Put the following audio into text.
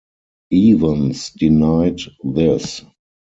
Evans denied this.